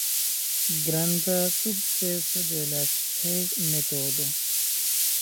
Granda sukceso de la Cseh-metodo.